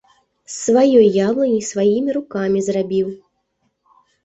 З сваёй яблыні й сваімі рукамі зрабіў.